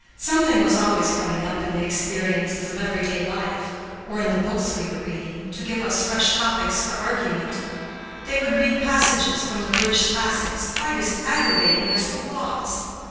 Something was always coming up in the experiences of everyday life, or in the books we were reading, to give us fresh topics for argument. They would read passages from the British classics quite as aggravating as the laws.